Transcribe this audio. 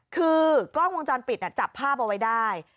คือกล้องวงจรปิดจับภาพเอาไว้ได้